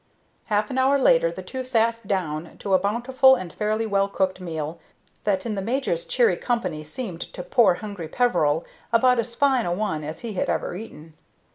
Half an hour later the two sat down to a bountiful and fairly well cooked meal that in the major's cheery company seemed to poor, hungry Peveril about as fine a one as he had ever eaten.